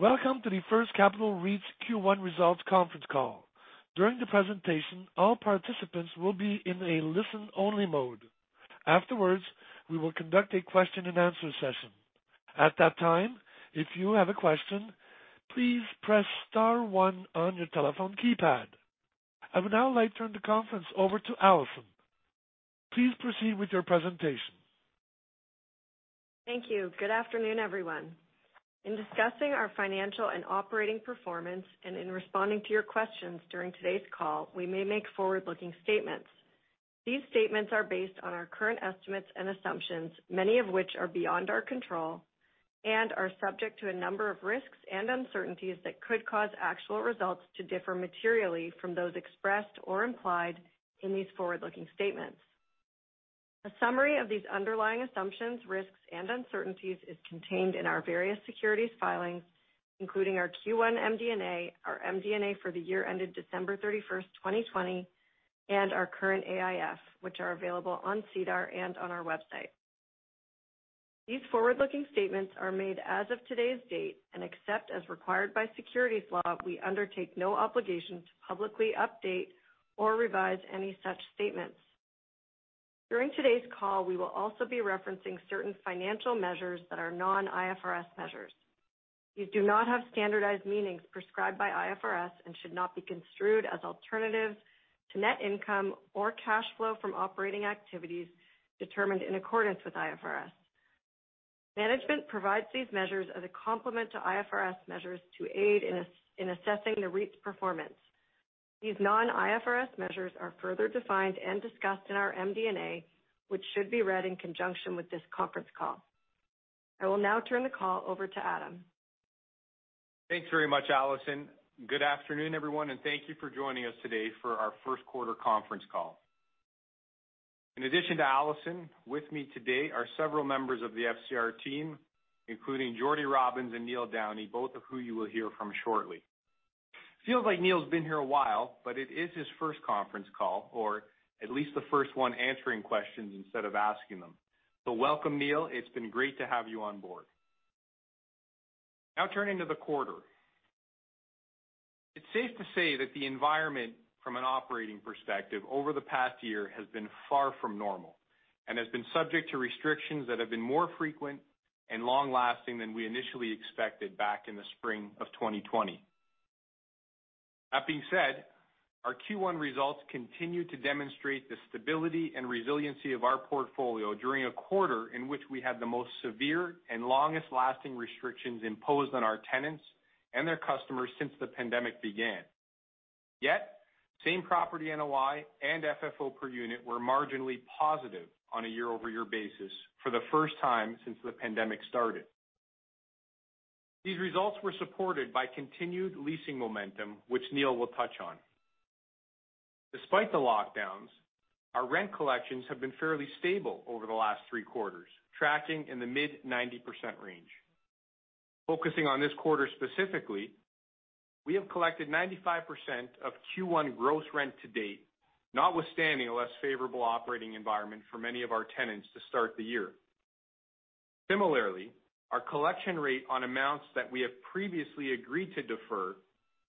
Welcome to the First Capital REIT's Q1 Results Conference Call. During the presentation, all participants will be in a listen-only mode. Afterwards, we will conduct a question and answer session. At that time, if you have a question, please press star one on your telephone keypad. I would now like to turn the conference over to Alison. Please proceed with your presentation. Thank you. Good afternoon, everyone. In discussing our financial and operating performance, and in responding to your questions during today's call, we may make forward-looking statements. These statements are based on our current estimates and assumptions, many of which are beyond our control, and are subject to a number of risks and uncertainties that could cause actual results to differ materially from those expressed or implied in these forward-looking statements. A summary of these underlying assumptions, risks, and uncertainties is contained in our various securities filings, including our Q1 MD&A, our MD&A for the year ended December 31st, 2020, and our current AIF, which are available on SEDAR and on our website. These forward-looking statements are made as of today's date, and except as required by securities law, we undertake no obligation to publicly update or revise any such statements. During today's call, we will also be referencing certain financial measures that are non-IFRS measures. These do not have standardized meanings prescribed by IFRS and should not be construed as alternatives to net income or cash flow from operating activities determined in accordance with IFRS. Management provides these measures as a complement to IFRS measures to aid in assessing the REIT's performance. These non-IFRS measures are further defined and discussed in our MD&A, which should be read in conjunction with this conference call. I will now turn the call over to Adam. Thanks very much, Alison. Good afternoon, everyone, and thank you for joining us today for our first quarter conference call. In addition to Alison, with me today are several members of the FCR team, including Jordie Robins and Neil Downey, both of whom you will hear from shortly. Feels like Neil's been here a while, it is his first conference call, or at least the first one answering questions instead of asking them. Welcome, Neil. It's been great to have you on board. Now turning to the quarter. It's safe to say that the environment from an operating perspective over the past year has been far from normal, and has been subject to restrictions that have been more frequent and long-lasting than we initially expected back in the spring of 2020. That being said, our Q1 results continue to demonstrate the stability and resiliency of our portfolio during a quarter in which we had the most severe and longest-lasting restrictions imposed on our tenants and their customers since the pandemic began. Yet, same-property NOI and FFO per unit were marginally positive on a year-over-year basis for the first time since the pandemic started. These results were supported by continued leasing momentum, which Neil will touch on. Despite the lockdowns, our rent collections have been fairly stable over the last three quarters, tracking in the mid 90% range. Focusing on this quarter specifically, we have collected 95% of Q1 gross rent to date, notwithstanding a less favorable operating environment for many of our tenants to start the year. Similarly, our collection rate on amounts that we have previously agreed to defer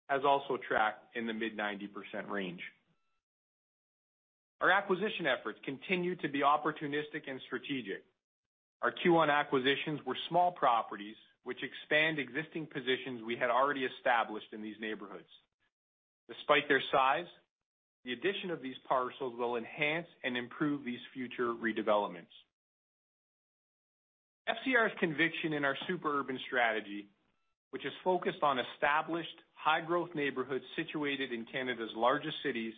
has also tracked in the mid 90% range. Our acquisition efforts continue to be opportunistic and strategic. Our Q1 acquisitions were small properties which expand existing positions we had already established in these neighborhoods. Despite their size, the addition of these parcels will enhance and improve these future redevelopments. FCR's conviction in our super urban strategy, which is focused on established, high-growth neighborhoods situated in Canada's largest cities,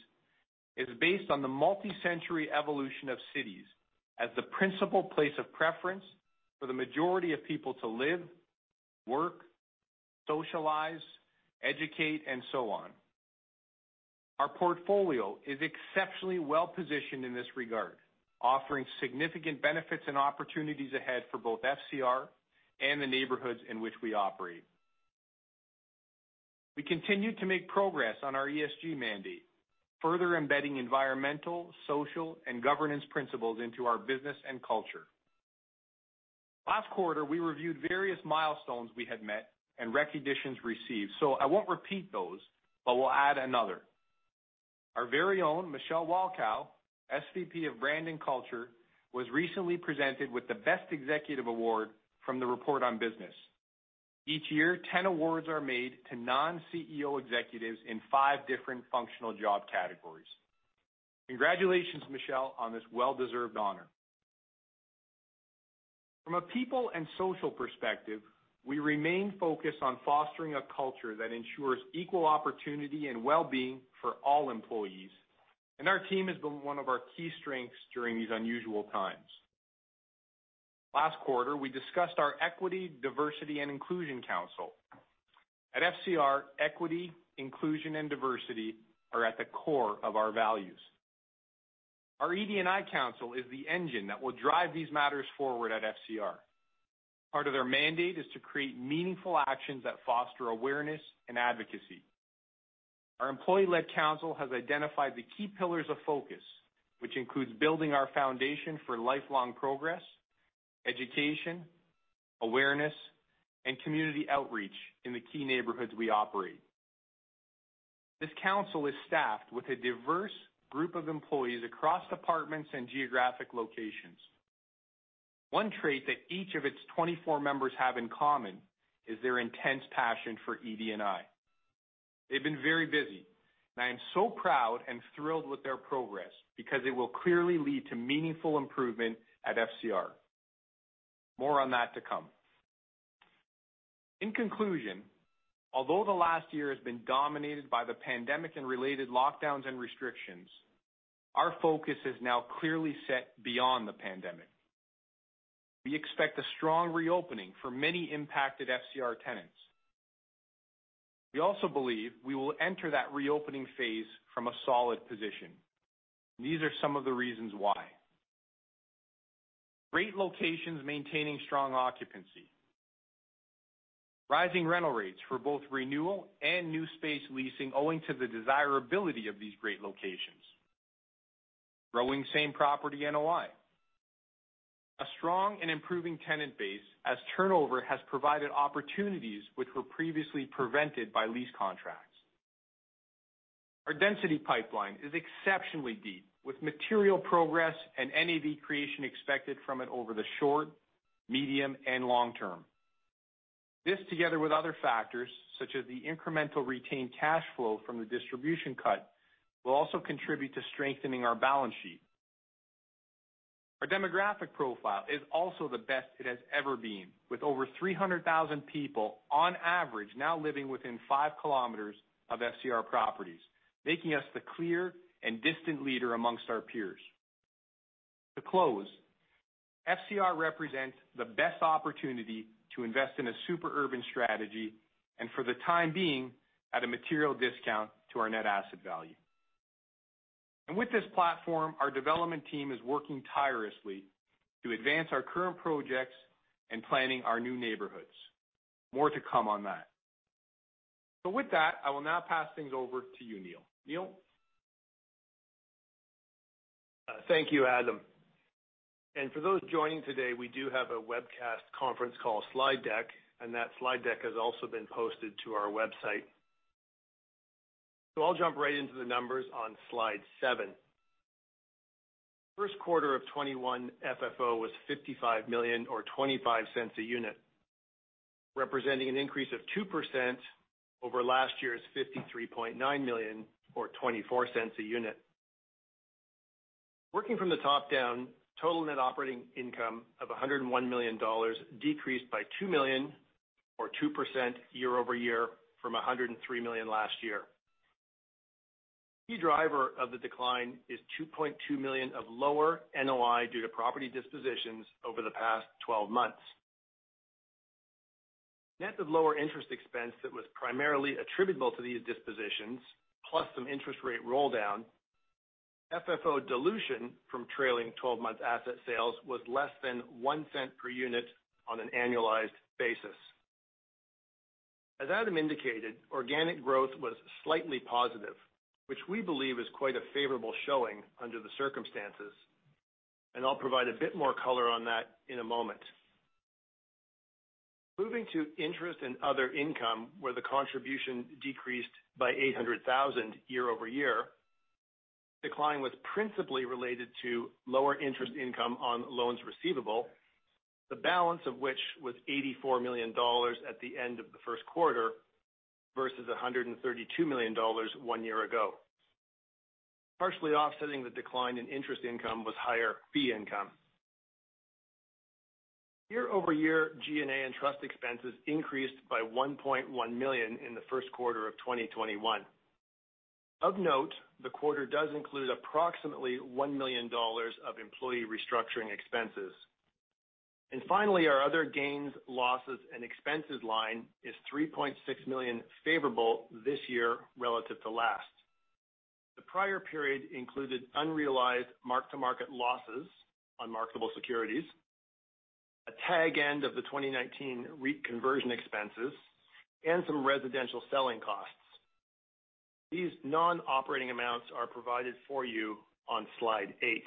is based on the multi-century evolution of cities as the principal place of preference for the majority of people to live, work, socialize, educate, and so on. Our portfolio is exceptionally well-positioned in this regard, offering significant benefits and opportunities ahead for both FCR and the neighborhoods in which we operate. We continue to make progress on our ESG mandate, further embedding environmental, social, and governance principles into our business and culture. Last quarter, we reviewed various milestones we had met and recognitions received. I won't repeat those, but we'll add another. Our very own Michele Walkau, SVP of Brand & Culture, was recently presented with the Best Executive Award from the Report on Business. Each year, 10 awards are made to non-CEO executives in five different functional job categories. Congratulations, Michele, on this well-deserved honor. From a people and social perspective, we remain focused on fostering a culture that ensures equal opportunity and well-being for all employees, and our team has been one of our key strengths during these unusual times. Last quarter, we discussed our Equity, Diversity, and Inclusion Council. At FCR, Equity, Inclusion, and Diversity are at the core of our values. Our ED&I Council is the engine that will drive these matters forward at FCR. Part of their mandate is to create meaningful actions that foster awareness and advocacy. Our employee-led council has identified the key pillars of focus, which includes building our foundation for lifelong progress, education, awareness, and community outreach in the key neighborhoods we operate. This council is staffed with a diverse group of employees across departments and geographic locations. One trait that each of its 24 members have in common is their intense passion for ED&I. They've been very busy, I am so proud and thrilled with their progress because it will clearly lead to meaningful improvement at FCR. More on that to come. In conclusion, although the last year has been dominated by the pandemic and related lockdowns and restrictions, our focus is now clearly set beyond the pandemic. We expect a strong reopening for many impacted FCR tenants. We also believe we will enter that reopening phase from a solid position. These are some of the reasons why. Great locations maintaining strong occupancy. Rising rental rates for both renewal and new space leasing owing to the desirability of these great locations. Growing same-property NOI. A strong and improving tenant base as turnover has provided opportunities which were previously prevented by lease contracts. Our density pipeline is exceptionally deep, with material progress and NAV creation expected from it over the short, medium, and long term. This, together with other factors such as the incremental retained cash flow from the distribution cut, will also contribute to strengthening our balance sheet. Our demographic profile is also the best it has ever been, with over 300,000 people on average now living within 5 km of FCR properties, making us the clear and distant leader amongst our peers. To close, FCR represents the best opportunity to invest in a super urban strategy and for the time being, at a material discount to our net asset value. With this platform, our development team is working tirelessly to advance our current projects and planning our new neighborhoods. More to come on that. With that, I will now pass things over to you, Neil. Neil? Thank you, Adam. For those joining today, we do have a webcast conference call slide deck, and that slide deck has also been posted to our website. I'll jump right into the numbers on slide seven. First quarter of 2021 FFO was 55 million or 0.25 a unit, representing an increase of 2% over last year's 53.9 million or 0.24 a unit. Working from the top down, total net operating income of 101 million dollars decreased by 2 million or 2% year-over-year from 103 million last year. Key driver of the decline is 2.2 million of lower NOI due to property dispositions over the past 12 months. Net of lower interest expense that was primarily attributable to these dispositions, plus some interest rate rolldown, FFO dilution from trailing 12-month asset sales was less than 0.01 per unit on an annualized basis. As Adam indicated, organic growth was slightly positive, which we believe is quite a favorable showing under the circumstances, I'll provide a bit more color on that in a moment. Moving to interest and other income, where the contribution decreased by 800,000 year-over-year. Decline was principally related to lower interest income on loans receivable, the balance of which was 84 million dollars at the end of the first quarter versus 132 million dollars one year ago. Partially offsetting the decline in interest income was higher fee income. Year-over-year G&A and trust expenses increased by 1.1 million in the first quarter of 2021. Of note, the quarter does include approximately 1 million dollars of employee restructuring expenses. Finally, our other gains, losses, and expenses line is 3.6 million favorable this year relative to last. The prior period included unrealized mark-to-market losses on marketable securities, a tag end of the 2019 REIT conversion expenses, and some residential selling costs. These non-operating amounts are provided for you on slide eight.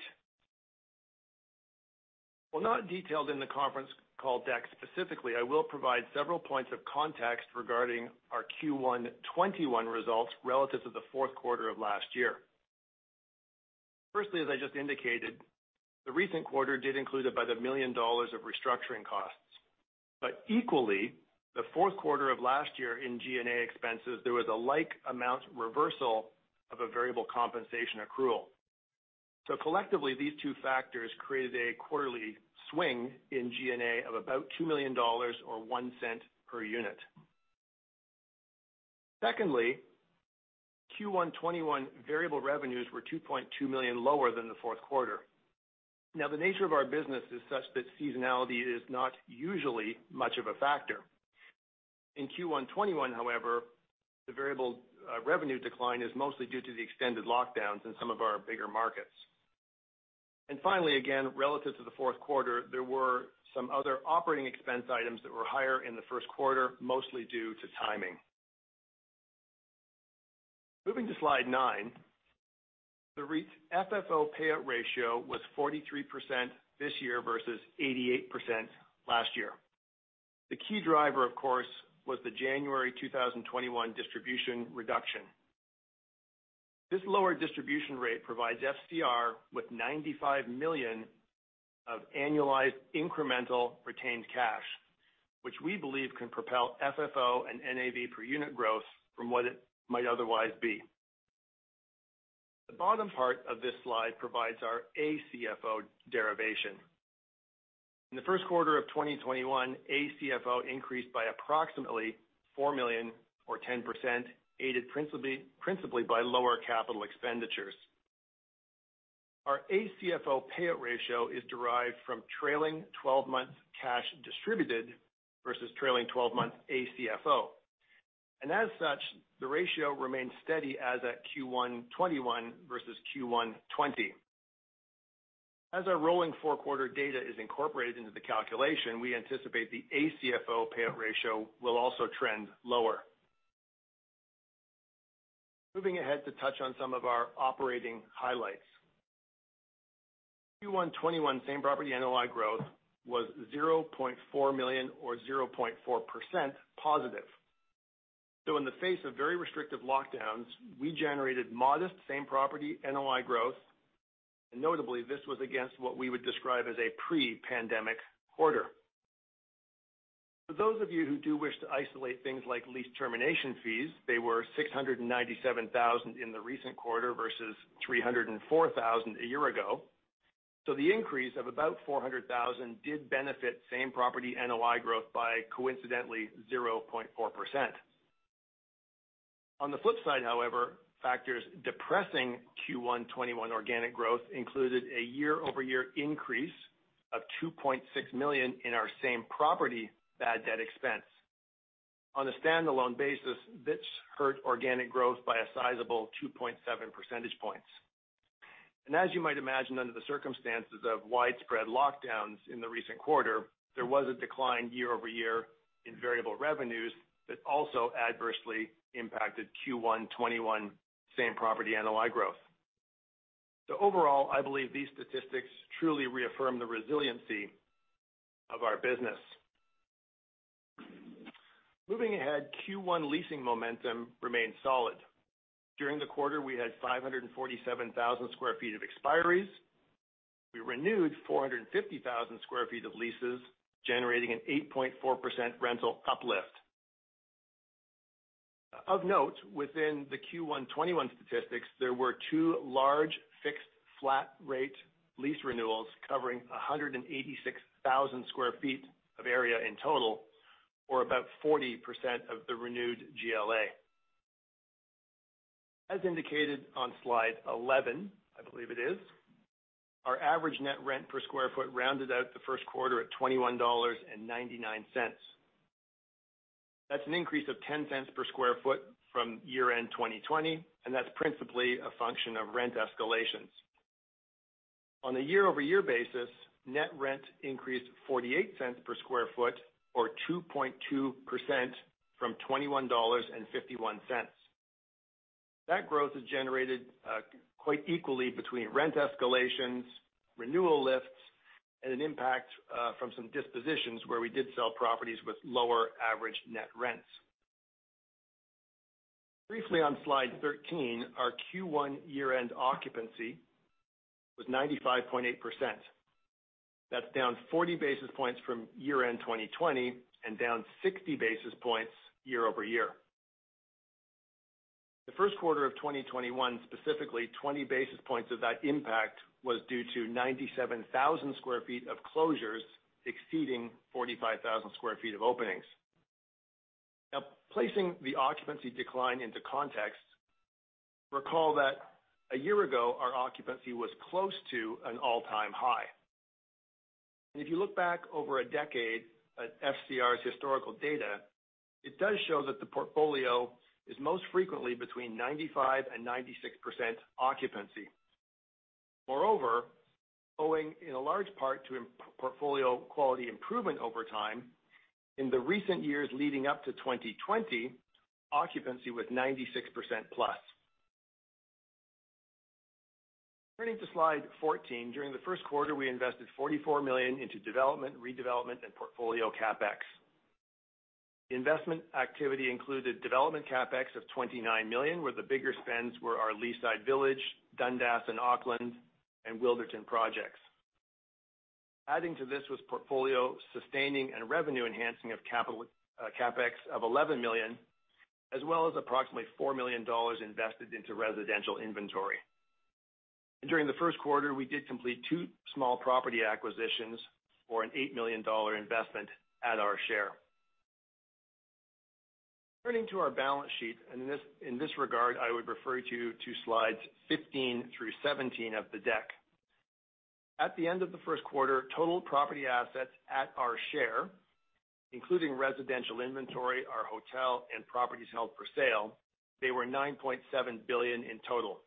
While not detailed in the conference call deck specifically, I will provide several points of context regarding our Q1 2021 results relative to the fourth quarter of last year. As I just indicated, the recent quarter did include about 1 million dollars of restructuring costs. Equally, the fourth quarter of last year in G&A expenses, there was a like amount reversal of a variable compensation accrual. Collectively, these two factors created a quarterly swing in G&A of about 2 million dollars or 0.01 per unit. Secondly, Q1 2021 variable revenues were 2.2 million lower than the fourth quarter. Now, the nature of our business is such that seasonality is not usually much of a factor. In Q1 2021, however, the variable revenue decline is mostly due to the extended lockdowns in some of our bigger markets. Finally, again, relative to the fourth quarter, there were some other operating expense items that were higher in the first quarter, mostly due to timing. Moving to slide nine. The REIT's FFO payout ratio was 43% this year versus 88% last year. The key driver, of course, was the January 2021 distribution reduction. This lower distribution rate provides FCR with 95 million of annualized incremental retained cash, which we believe can propel FFO and NAV per unit growth from what it might otherwise be. The bottom part of this slide provides our ACFO derivation. In the first quarter of 2021, ACFO increased by approximately 4 million or 10%, aided principally by lower capital expenditures. Our ACFO payout ratio is derived from trailing 12 months cash distributed versus trailing 12 months ACFO. As such, the ratio remains steady as at Q1 2021 versus Q1 2020. As our rolling four-quarter data is incorporated into the calculation, we anticipate the ACFO payout ratio will also trend lower. Moving ahead to touch on some of our operating highlights. Q1 2021 same-property NOI growth was 0.4 million or +0.4%. In the face of very restrictive lockdowns, we generated modest same-property NOI growth, and notably, this was against what we would describe as a pre-pandemic quarter. For those of you who do wish to isolate things like lease termination fees, they were 697,000 in the recent quarter versus 304,000 a year ago. The increase of about 400,000 did benefit same-property NOI growth by coincidentally 0.4%. On the flip side, however, factors depressing Q1 2021 organic growth included a year-over-year increase of 2.6 million in our same-property bad debt expense. On a standalone basis, this hurt organic growth by a sizable 2.7 percentage points. As you might imagine, under the circumstances of widespread lockdowns in the recent quarter, there was a decline year-over-year in variable revenues that also adversely impacted Q1 2021 same-property NOI growth. Overall, I believe these statistics truly reaffirm the resiliency of our business. Moving ahead, Q1 leasing momentum remained solid. During the quarter, we had 547,000 sq ft of expiries. We renewed 450,000 sq ft of leases, generating an 8.4% rental uplift. Of note, within the Q1 2021 statistics, there were two large fixed flat rate lease renewals covering 186,000 sq ft of area in total, or about 40% of the renewed GLA. As indicated on slide 11, I believe it is, our average net rent per square foot rounded out the first quarter at 21.99 dollars. That's an increase of 0.10 per sq ft from year-end 2020, and that's principally a function of rent escalations. On a year-over-year basis, net rent increased 0.48 per square foot or 2.2% from 21.51 dollars. That growth is generated quite equally between rent escalations, renewal lifts, and an impact from some dispositions where we did sell properties with lower average net rents. Briefly on slide 13, our Q1 year-end occupancy was 95.8%. That's down 40 basis points from year-end 2020 and down 60 basis points year-over-year. The first quarter of 2021, specifically 20 basis points of that impact, was due to 97,000 sq ft of closures exceeding 45,000 sq ft of openings. Now, placing the occupancy decline into context, recall that a year ago, our occupancy was close to an all-time high. If you look back over a decade at FCR's historical data, it does show that the portfolio is most frequently between 95% and 96% occupancy. Moreover, owing in a large part to portfolio quality improvement over time, in the recent years leading up to 2020, occupancy was 96%+. Turning to slide 14. During the first quarter, we invested CAD 44 million into development, redevelopment, and portfolio CapEx. Investment activity included development CapEx of 29 million, where the bigger spends were our Leaside Village, Dundas and Aukland, and Wilderton projects. Adding to this was portfolio sustaining and revenue enhancing of CapEx of 11 million, as well as approximately 4 million dollars invested into residential inventory. During the first quarter, we did complete two small property acquisitions for an 8 million dollar investment at our share. Turning to our balance sheet, in this regard, I would refer you to slides 15 through 17 of the deck. At the end of the first quarter, total property assets at our share, including residential inventory, our hotel and properties held for sale, were 9.7 billion in total.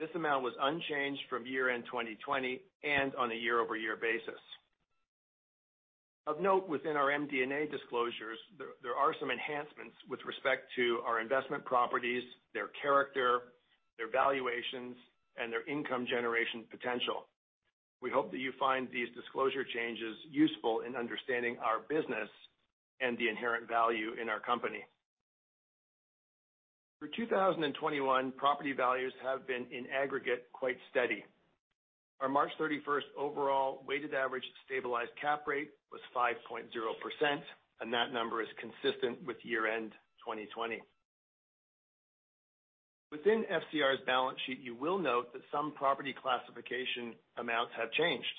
This amount was unchanged from year-end 2020 and on a year-over-year basis. Of note within our MD&A disclosures, there are some enhancements with respect to our investment properties, their character, their valuations, and their income generation potential. We hope that you find these disclosure changes useful in understanding our business and the inherent value in our company. For 2021, property values have been, in aggregate, quite steady. Our March 31st overall weighted average stabilized cap rate was 5.0%, and that number is consistent with year-end 2020. Within FCR's balance sheet, you will note that some property classification amounts have changed.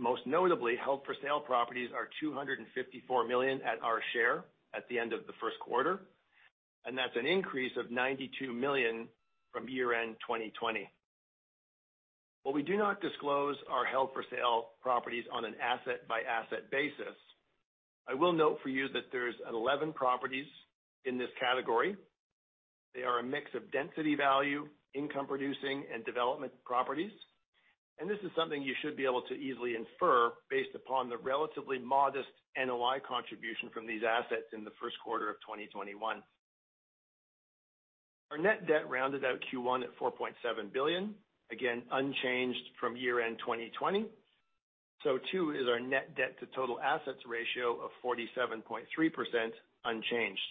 Most notably, held-for-sale properties are 254 million at our share at the end of the first quarter, and that's an increase of 92 million from year-end 2020. While we do not disclose our held-for-sale properties on an asset-by-asset basis, I will note for you that there's 11 properties in this category. They are a mix of density value, income-producing, and development properties. This is something you should be able to easily infer based upon the relatively modest NOI contribution from these assets in the first quarter of 2021. Our net debt rounded out Q1 at 4.7 billion, again, unchanged from year-end 2020. So two is our net debt to total assets ratio of 47.3%, unchanged.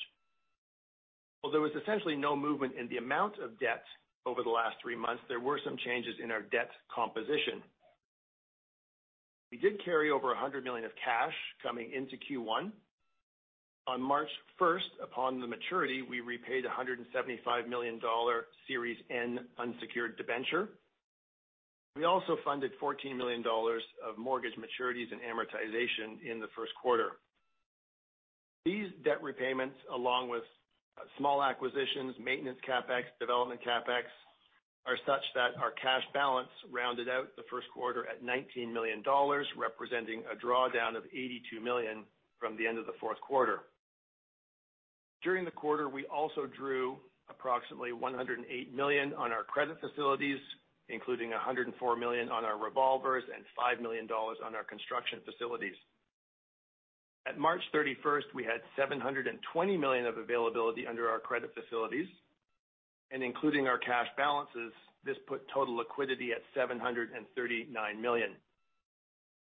While there was essentially no movement in the amount of debt over the last three months, there were some changes in our debt composition. We did carry over 100 million of cash coming into Q1. On March 1st, upon the maturity, we repaid 175 million dollar Series N unsecured debenture. We also funded 14 million dollars of mortgage maturities and amortization in the first quarter. These debt repayments, along with small acquisitions, maintenance CapEx, development CapEx, are such that our cash balance rounded out the first quarter at 19 million dollars, representing a drawdown of 82 million from the end of the fourth quarter. During the quarter, we also drew approximately 108 million on our credit facilities, including 104 million on our revolvers and 5 million dollars on our construction facilities. At March 31st, we had 720 million of availability under our credit facilities, and including our cash balances, this put total liquidity at 739 million.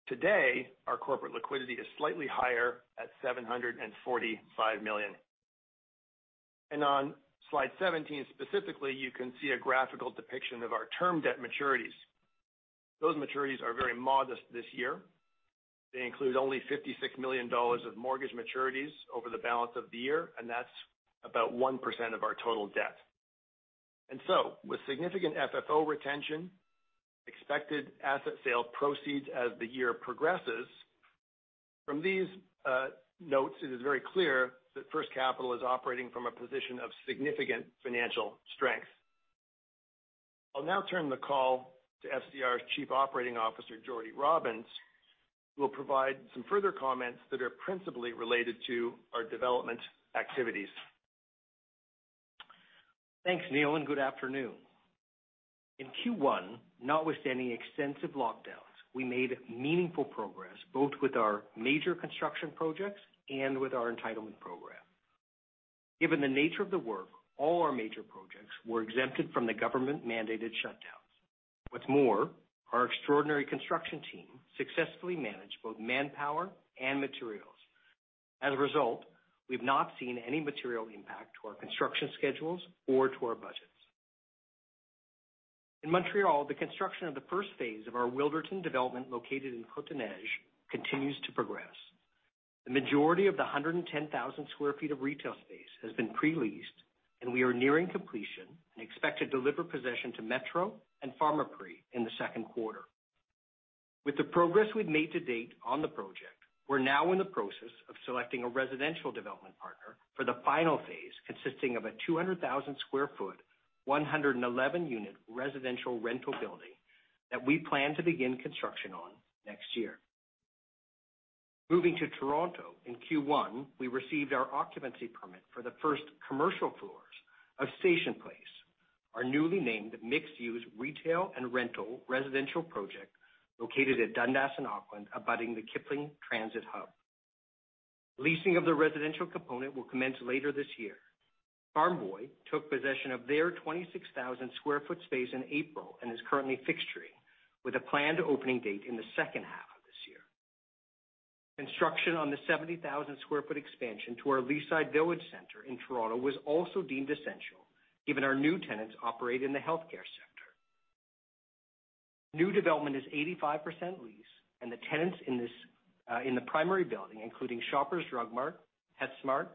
Today, our corporate liquidity is slightly higher at 745 million. And on Slide 17 specifically, you can see a graphical depiction of our term debt maturities. Those maturities are very modest this year. They include only 56 million dollars of mortgage maturities over the balance of the year, and that's about 1% of our total debt. With significant FFO retention, expected asset sale proceeds as the year progresses, from these notes, it is very clear that First Capital is operating from a position of significant financial strength. I'll now turn the call to FCR’s Chief Operating Officer, Jordie Robins, who will provide some further comments that are principally related to our development activities. Thanks, Neil. Good afternoon. In Q1, notwithstanding extensive lockdowns, we made meaningful progress both with our major construction projects and with our entitlement program. Given the nature of the work, all our major projects were exempted from the government-mandated shutdowns. What's more, our extraordinary construction team successfully managed both manpower and materials. As a result, we've not seen any material impact to our construction schedules or to our budgets. In Montreal, the construction of the first phase of our Wilderton development located in Côte-des-Neiges continues to progress. The majority of the 110,000 sq ft of retail space has been pre-leased, and we are nearing completion and expect to deliver possession to Metro and Pharmaprix in the second quarter. With the progress we've made to date on the project, we're now in the process of selecting a residential development partner for the final phase, consisting of a 200,000 sq ft, 111-unit residential rental building that we plan to begin construction on next year. Moving to Toronto, in Q1, we received our occupancy permit for the first commercial floors of Station Place, our newly named mixed-use retail and rental residential project located at Dundas and Aukland, abutting the Kipling Transit Hub. Leasing of the residential component will commence later this year. Farm Boy took possession of their 26,000 sq ft space in April and is currently fixturing with a planned opening date in the second half of this year. Construction on the 70,000 sq ft expansion to our Leaside Village Center in Toronto was also deemed essential, given our new tenants operate in the healthcare sector. New development is 85% leased, and the tenants in the primary building, including Shoppers Drug Mart, PetSmart,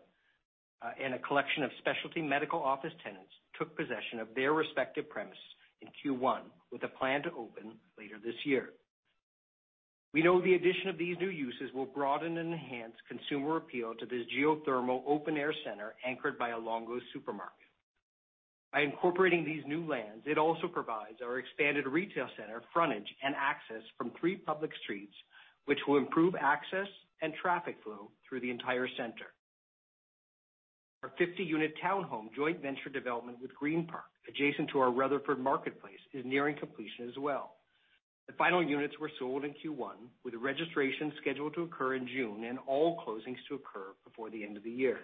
and a collection of specialty medical office tenants, took possession of their respective premises in Q1 with a plan to open later this year. We know the addition of these new uses will broaden and enhance consumer appeal to this geothermal open-air center anchored by at. Incorporating these new lands, it also provides our expanded retail center frontage and access from three public streets, which will improve access and traffic flow through the entire center. Our 50-unit townhome joint venture development with Greenpark, adjacent to our Rutherford Marketplace, is nearing completion as well. The final units were sold in Q1, with registration scheduled to occur in June and all closings to occur before the end of the year.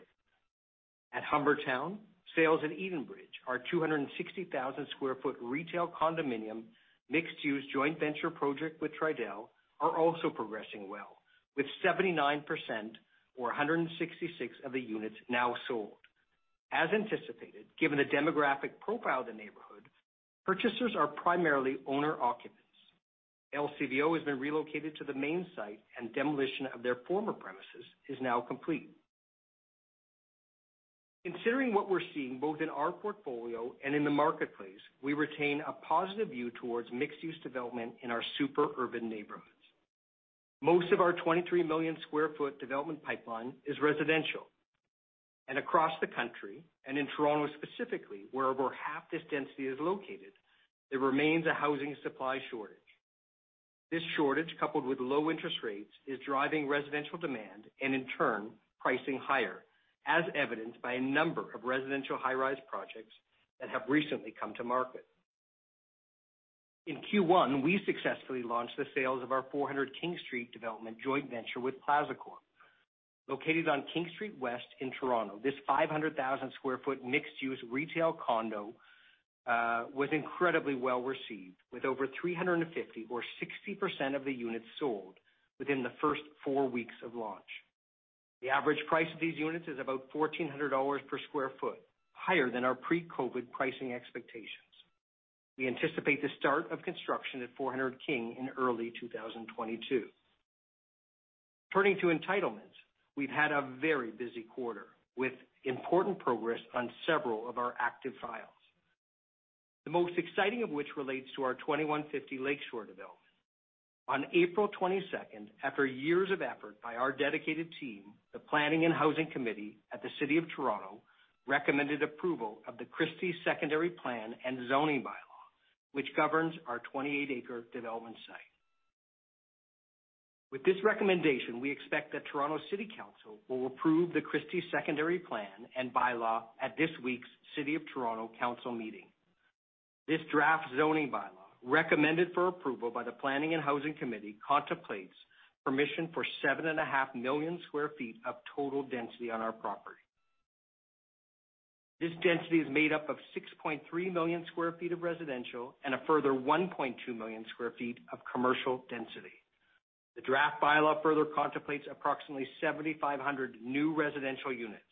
At Humbertown, sales at Edenbridge, our 260,000 sq ft retail condominium mixed-use joint venture project with Tridel, are also progressing well, with 79% or 166 of the units now sold. As anticipated, given the demographic profile of the neighborhood, purchasers are primarily owner occupants. LCBO has been relocated to the main site, and demolition of their former premises is now complete. Considering what we're seeing both in our portfolio and in the marketplace, we retain a positive view towards mixed-use development in our super urban neighborhoods. Most of our 23 million sq ft development pipeline is residential. Across the country, and in Toronto specifically, where over half this density is located, there remains a housing supply shortage. This shortage, coupled with low interest rates, is driving residential demand and in turn, pricing higher, as evidenced by a number of residential high-rise projects that have recently come to market. In Q1, we successfully launched the sales of our 400 King Street development joint venture with Plazacorp. Located on King Street West in Toronto, this 500,000 sq ft mixed-use retail condo was incredibly well-received, with over 350 or 60% of the units sold within the first four weeks of launch. The average price of these units is about 1,400 dollars per sq ft, higher than our pre-COVID pricing expectations. We anticipate the start of construction at 400 King in early 2022. Turning to entitlements, we've had a very busy quarter, with important progress on several of our active files. The most exciting of which relates to our 2150 Lake Shore development. On April 22nd, after years of effort by our dedicated team, the Planning and Housing Committee at the City of Toronto recommended approval of the Christie Secondary Plan and Zoning By-law, which governs our 28-acre development site. With this recommendation, we expect that Toronto City Council will approve the Christie's Secondary Plan and By-law at this week's City of Toronto Council meeting. This draft Zoning By-law, recommended for approval by the Planning and Housing Committee, contemplates permission for 7.5 million sq ft of total density on our property. This density is made up of 6.3 million sq ft of residential and a further 1.2 million sq ft of commercial density. The draft By-law further contemplates approximately 7,500 new residential units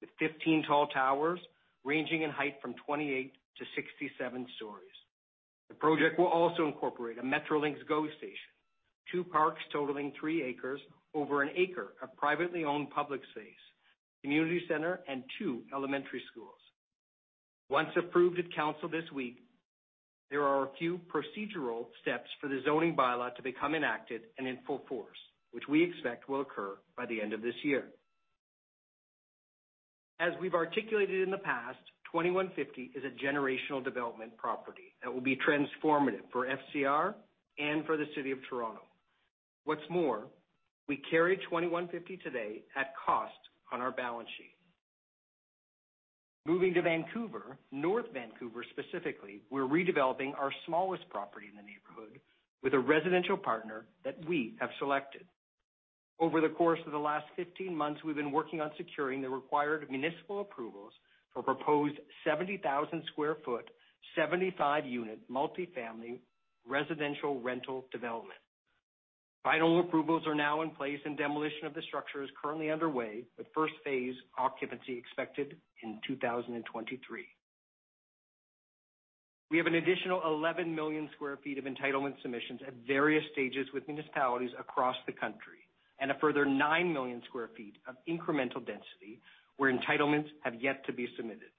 with 15 tall towers ranging in height from 28-67 stories. The project will also incorporate a Metrolinx GO station, two parks totaling three acres, over an acre of privately owned public space, community center, and two elementary schools. Once approved at Council this week, there are a few procedural steps for the Zoning By-law to become enacted and in full force, which we expect will occur by the end of this year. As we've articulated in the past, 2150 is a generational development property that will be transformative for FCR and for the City of Toronto. What's more, we carry 2150 today at cost on our balance sheet. Moving to Vancouver, North Vancouver specifically, we're redeveloping our smallest property in the neighborhood with a residential partner that we have selected. Over the course of the last 15 months, we've been working on securing the required municipal approvals for a proposed 70,000 sq ft, 75-unit multi-family residential rental development. Final approvals are now in place, and demolition of the structure is currently underway, with first phase occupancy expected in 2023. We have an additional 11 million sq ft of entitlement submissions at various stages with municipalities across the country and a further nine million sq ft of incremental density where entitlements have yet to be submitted.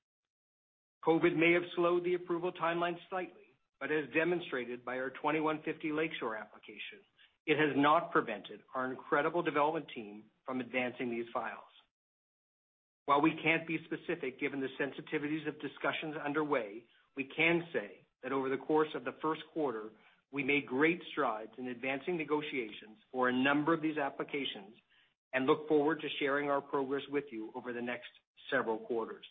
COVID may have slowed the approval timeline slightly, but as demonstrated by our 2150 Lake Shore application, it has not prevented our incredible development team from advancing these files. While we can't be specific given the sensitivities of discussions underway, we can say that over the course of the first quarter, we made great strides in advancing negotiations for a number of these applications and look forward to sharing our progress with you over the next several quarters.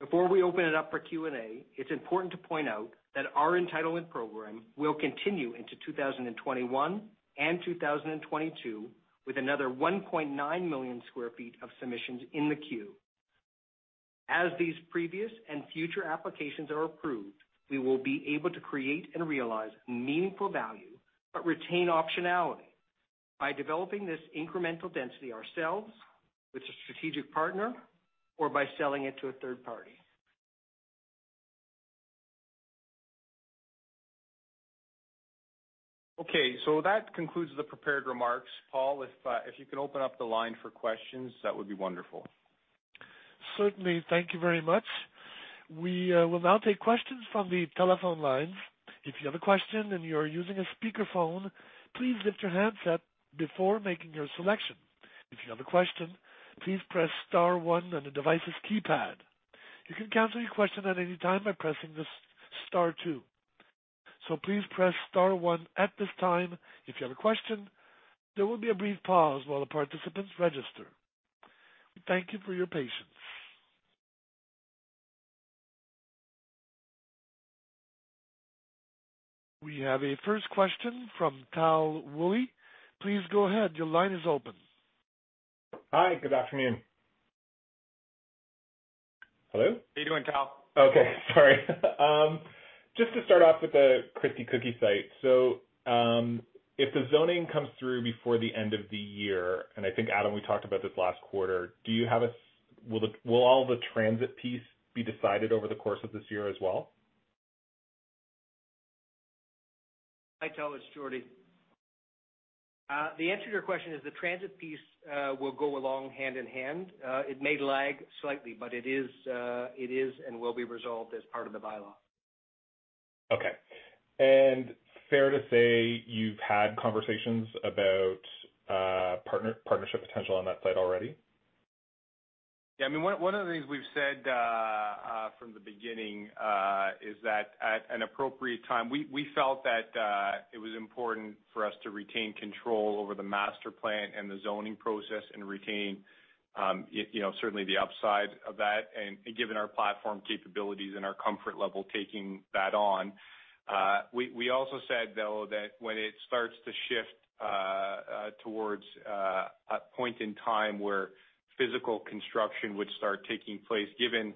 Before we open it up for Q&A, it's important to point out that our entitlement program will continue into 2021 and 2022 with another 1.9 million sq ft of submissions in the queue. As these previous and future applications are approved, we will be able to create and realize meaningful value but retain optionality by developing this incremental density ourselves, with a strategic partner, or by selling it to a third party. Okay, that concludes the prepared remarks. Paul, if you could open up the line for questions, that would be wonderful. Certainly. Thank you very much. We will now take questions from the telephone lines. If you have a question and you're using a speaker phone, please lift your handset before making your selection. If you have a question, please press star one on the device's keypad. You can cancel your question at any time by pressing star two. So please press star one at this time. If you have a question, there will be a brief pause while the participants register. We thank you for your patience. We have a first question from Tal Woolley. Please go ahead. Your line is open. Hi. Good afternoon. Hello? How you doing, Tal? Okay. Sorry. Just to start off with the Christie Cookie site. If the zoning comes through before the end of the year, and I think, Adam, we talked about this last quarter, will all the transit piece be decided over the course of this year as well? Hi, Tal. It's Jordie. The answer to your question is the transit piece will go along hand in hand. It may lag slightly, but it is and will be resolved as part of the By-law. Okay. Fair to say you've had conversations about partnership potential on that site already? Yeah, one of the things we've said from the beginning is that at an appropriate time, we felt that it was important for us to retain control over the master plan and the zoning process and retain certainly the upside of that, and given our platform capabilities and our comfort level taking that on. We also said, though, that when it starts to shift towards a point in time where physical construction would start taking place, given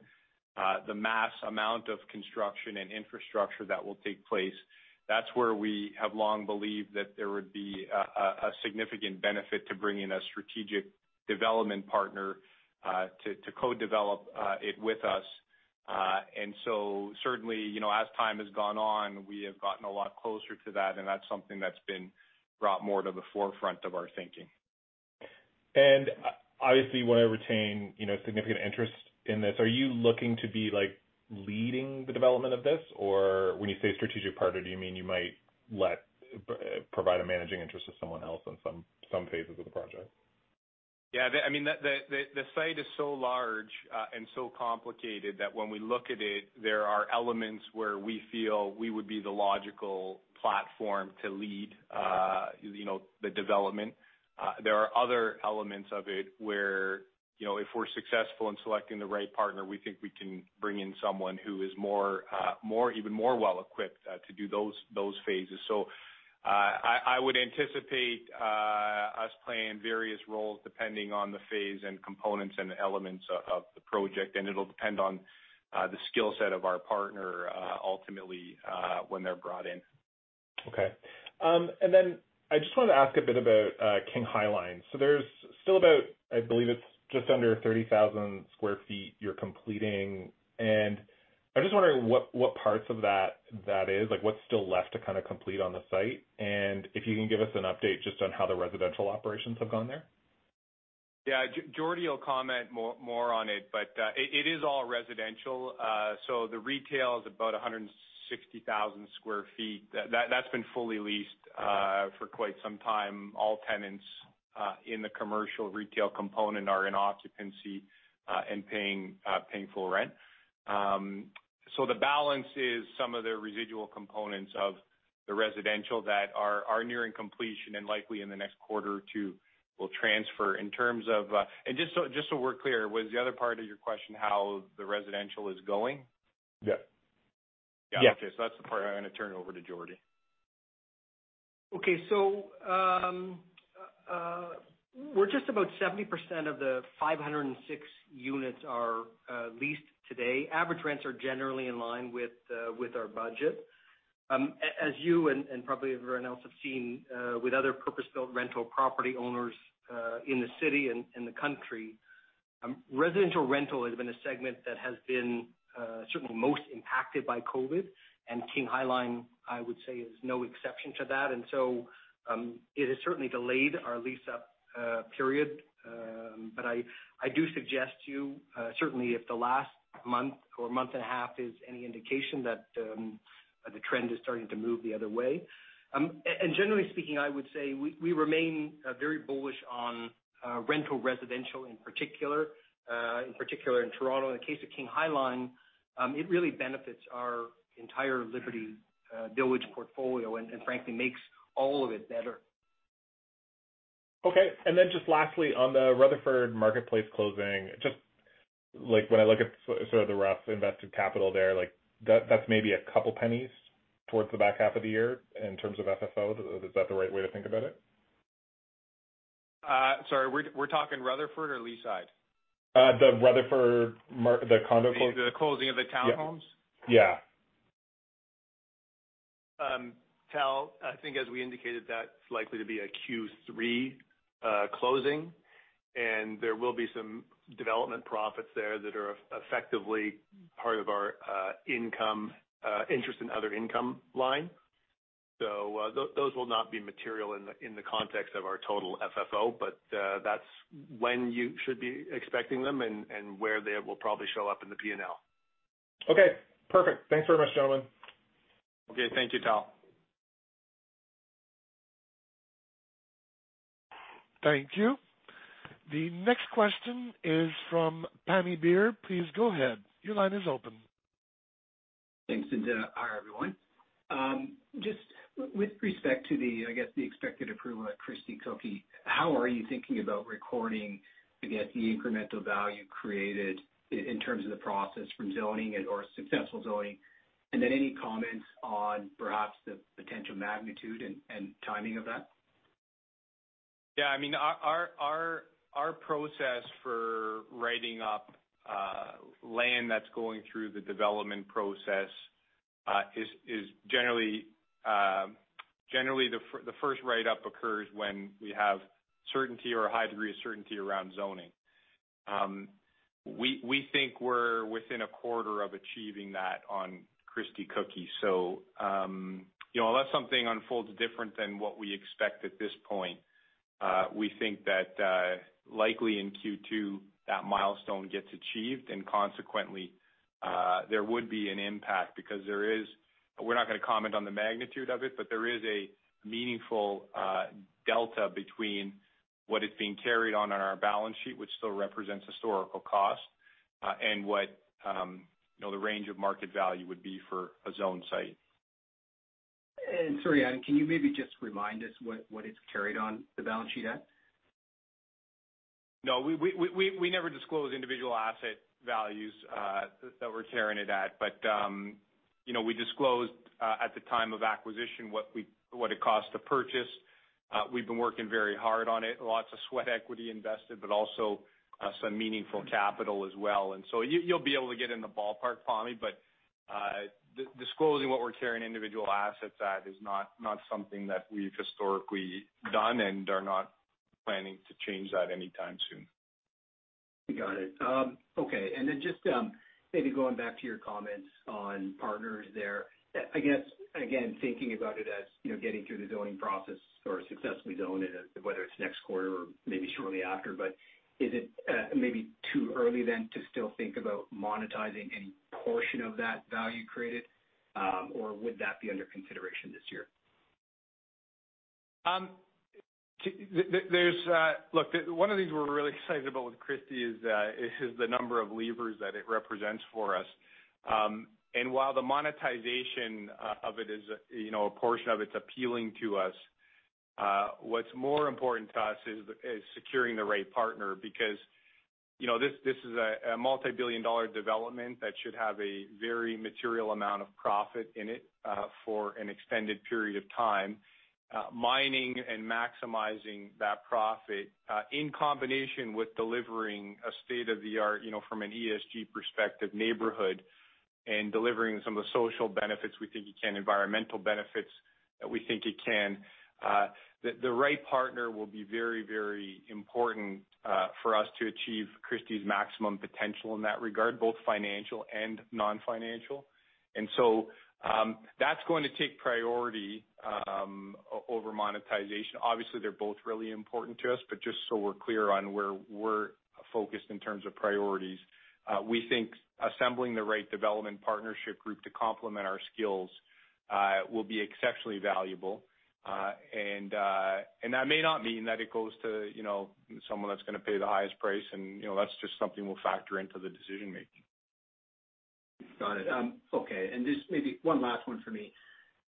the mass amount of construction and infrastructure that will take place. That's where we have long believed that there would be a significant benefit to bring in a strategic development partner to co-develop it with us. And so certainly, as time has gone on, we have gotten a lot closer to that, and that's something that's been brought more to the forefront of our thinking. Obviously want to retain significant interest in this. Are you looking to be leading the development of this? When you say strategic partner, do you mean you might provide a managing interest to someone else on some phases of the project? Yeah. The site is so large and so complicated that when we look at it, there are elements where we feel we would be the logical platform to lead the development. There are other elements of it where if we're successful in selecting the right partner, we think we can bring in someone who is even more well-equipped to do those phases. I would anticipate us playing various roles depending on the phase and components and the elements of the project, and it'll depend on the skill set of our partner ultimately, when they're brought in. Okay. I just wanted to ask a bit about King High Line. There's still about, I believe it's just under 30,000 sq ft you're completing, and I'm just wondering what parts of that is. What's still left to kind of complete on the site? If you can give us an update just on how the residential operations have gone there. Yeah. Jordie will comment more on it is all residential. The retail is about 160,000 sq ft. That's been fully leased for quite some time. All tenants in the commercial retail component are in occupancy and paying full rent. The balance is some of the residual components of the residential that are nearing completion and likely in the next quarter or two will transfer. Just so we're clear, was the other part of your question how the residential is going? Yeah. Yeah. Okay. That's the part I'm going to turn over to Jordie. We're just about 70% of the 506 units are leased today. Average rents are generally in line with our budget. As you and probably everyone else have seen with other purpose-built rental property owners in the city and the country, residential rental has been a segment that has been certainly most impacted by COVID, King High Line, I would say, is no exception to that. It has certainly delayed our lease-up period. I do suggest to you, certainly if the last month or month and a half is any indication that the trend is starting to move the other way. Generally speaking, I would say we remain very bullish on rental residential in particular in Toronto. In the case of King High Line, it really benefits our entire Liberty Village portfolio and frankly makes all of it better. Okay. Just lastly on the Rutherford Marketplace closing, just when I look at sort of the rough invested capital there, that's maybe a couple pennies towards the back half of the year in terms of FFO. Is that the right way to think about it? Sorry, we're talking Rutherford or Leaside? The Rutherford, the condo. The closing of the townhomes? Yeah. Tal, I think as we indicated, that's likely to be a Q3 closing, and there will be some development profits there that are effectively part of our income, interest in other income line. Those will not be material in the context of our total FFO. That's when you should be expecting them and where they will probably show up in the P&L. Okay, perfect. Thanks very much, gentlemen. Okay. Thank you, Tal. Thank you. The next question is from Pammi Bir. Please go ahead. Your line is open. Thanks, hi, everyone. Just with respect to the expected approval at Christie Cookie, how are you thinking about recording the incremental value created in terms of the process from zoning or successful zoning? Any comments on perhaps the potential magnitude and timing of that? Yeah. Our process for writing up land that's going through the development process is generally the first write-up occurs when we have certainty or a high degree of certainty around zoning. We think we're within a quarter of achieving that on Christie Cookie so you know that's something unfolds different than what we expect at this point. We think that likely in Q2, that milestone gets achieved and consequently, there would be an impact. We're not going to comment on the magnitude of it, but there is a meaningful delta between what is being carried on our balance sheet, which still represents historical cost, and what the range of market value would be for a zoned site. Sorry, can you maybe just remind us what it's carried on the balance sheet at? No, we never disclose individual asset values that we're carrying it at. We disclosed, at the time of acquisition, what it cost to purchase. We've been working very hard on it. Lots of sweat equity invested, but also some meaningful capital as well. You'll be able to get in the ballpark, Pammi, but disclosing what we're carrying individual assets at is not something that we've historically done, and are not planning to change that anytime soon. Got it. Okay. Just maybe going back to your comments on partners there. Again, thinking about it as getting through the zoning process or successfully zoning it, whether it's next quarter or maybe shortly after, is it maybe too early then to still think about monetizing any portion of that value created? Would that be under consideration this year? Look, one of the things we're really excited about with Christie is the number of levers that it represents for us. While the monetization of it is, a portion of it's appealing to us, what's more important to us is securing the right partner because this is a multi-billion-dollar development that should have a very material amount of profit in it, for an extended period of time. Mining and maximizing that profit, in combination with delivering a state-of-the-art, from an ESG perspective, neighborhood and delivering some of the social benefits we think it can, environmental benefits that we think it can. The right partner will be very important, for us to achieve Christie's maximum potential in that regard, both financial and non-financial. That's going to take priority over monetization. Obviously, they're both really important to us, but just so we're clear on where we're focused in terms of priorities. We think assembling the right development partnership group to complement our skills will be exceptionally valuable. That may not mean that it goes to someone that's going to pay the highest price and that's just something we'll factor into the decision-making. Got it. Okay. Just maybe one last one for me.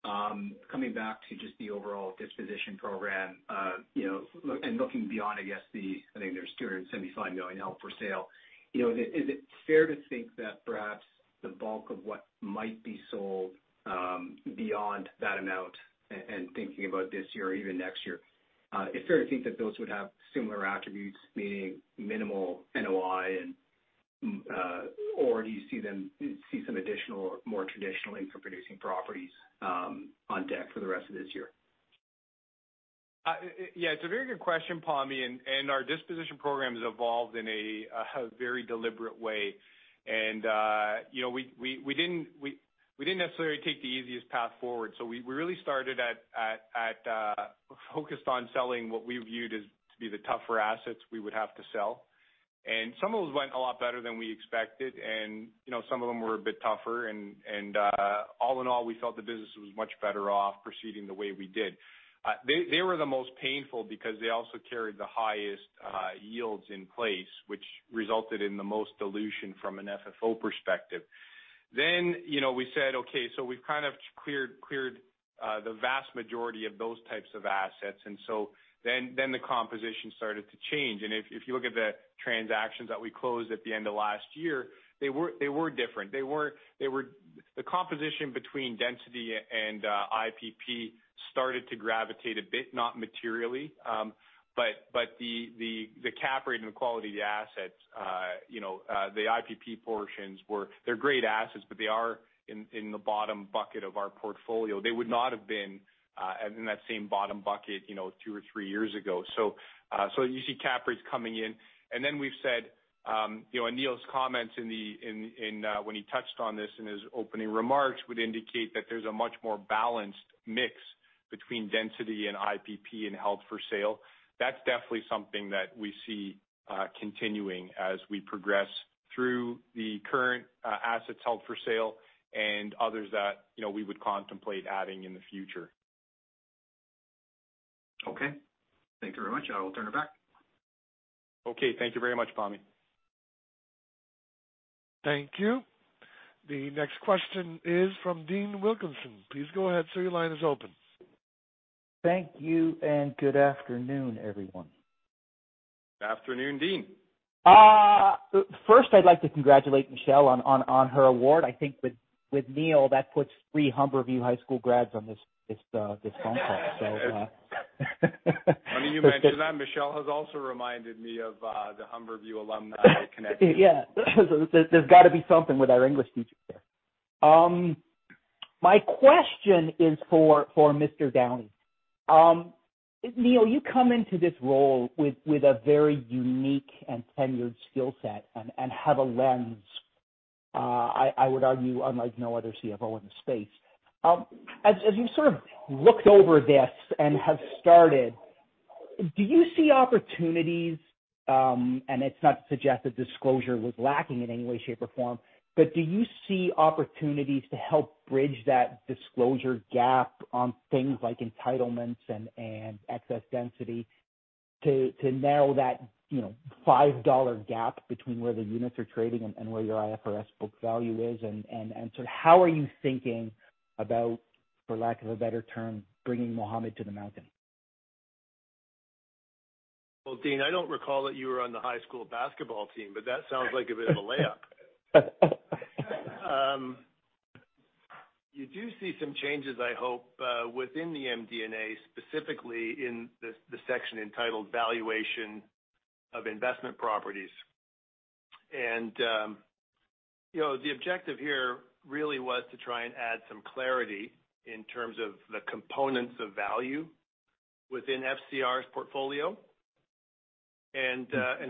Coming back to just the overall disposition program, and looking beyond, I think there's 275 million held for sale. Is it fair to think that perhaps the bulk of what might be sold, beyond that amount and thinking about this year or even next year, is fair to think that those would have similar attributes, meaning minimal NOI? Do you see some additional, more traditional income-producing properties on deck for the rest of this year? It's a very good question, Pammi. Our disposition program has evolved in a very deliberate way. We didn't necessarily take the easiest path forward. We really focused on selling what we viewed to be the tougher assets we would have to sell. Some of those went a lot better than we expected, and some of them were a bit tougher and, all in all, we felt the business was much better off proceeding the way we did. They were the most painful because they also carried the highest yields in place, which resulted in the most dilution from an FFO perspective. We said, "Okay, we've kind of cleared the vast majority of those types of assets." The composition started to change. If you look at the transactions that we closed at the end of last year, they were different. The composition between density and IPP started to gravitate a bit, not materially. The cap rate and the quality of the assets, the IPP portions, they're great assets, but they are in the bottom bucket of our portfolio. They would not have been in that same bottom bucket two or three years ago. You see cap rates coming in. We've said, Neil's comments when he touched on this in his opening remarks, would indicate that there's a much more balanced mix between density and IPP and held for sale. That's definitely something that we see continuing as we progress through the current assets held for sale and others that we would contemplate adding in the future. Okay. Thank you very much. I will turn it back. Okay. Thank you very much, Pammi. Thank you. The next question is from Dean Wilkinson. Please go ahead, sir. Your line is open. Thank you, and good afternoon, everyone. Good afternoon, Dean. First, I'd like to congratulate Michelle on her award. I think with Neil, that puts three Humberview High School grads on this phone call. Funny you mention that. Michelle has also reminded me of the Humberview alumni connection. Yeah. There's got to be something with our English teachers there. My question is for Neil Downey. Neil, you come into this role with a very unique and tenured skill set and have a lens, I would argue, unlike no other CFO in the space. As you sort of looked over this and have started, do you see opportunities, and it's not to suggest that disclosure was lacking in any way, shape, or form, but do you see opportunities to help bridge that disclosure gap on things like entitlements and excess density to narrow that 5 dollar gap between where the units are trading and where your IFRS book value is? Sort of how are you thinking about, for lack of a better term, bringing Mohammed to the mountain? Dean, I don't recall that you were on the high school basketball team, but that sounds like a bit of a layup. You do see some changes, I hope, within the MD&A, specifically in the section entitled Valuation of Investment Properties. The objective here really was to try and add some clarity in terms of the components of value within FCR's portfolio.